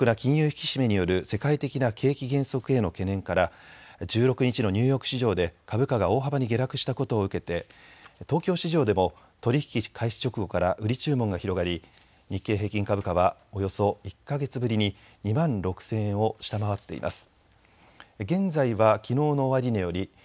引き締めによる世界的な景気減速への懸念から１６日のニューヨーク市場で株価が大幅に下落したことを受けて東京市場でも取り引き開始直後から売り注文が広がり、日経平均株価はおよそ１か月ぶりに２万６０００円を下回っています。